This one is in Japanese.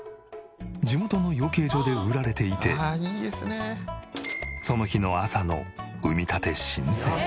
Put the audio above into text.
地元の養鶏場で売られていてその日の朝の産みたて新鮮！